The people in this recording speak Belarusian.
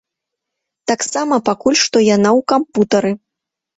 Таксама пакуль што яна ў кампутары.